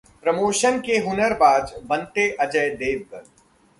promotion के हुनरबाज बनते अजय देवगन